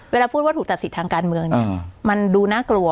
เวลาพูดว่าถูกตัดสิทธิ์ทางการเมืองเนี่ยมันดูน่ากลัว